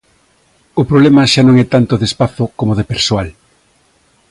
O problema xa non é tanto de espazo como de persoal.